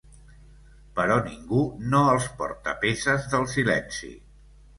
Però ningú no els porta peces del silenci.